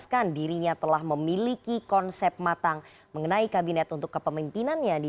menerima pemberian dari ketua umum partai garindra prabowo subianto